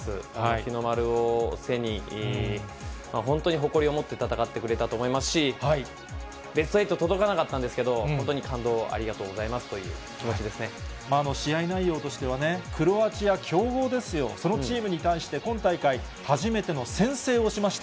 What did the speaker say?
日の丸を背に、本当に誇りを持って戦ってくれたと思いますし、ベスト８届かなかったんですけれども、本当に感動をありがとうございますという気試合内容としてはね、クロアチア、強豪ですよ、そのチームに対して、今大会初めての先制をしました。